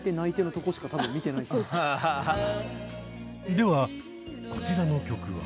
ではこちらの曲は。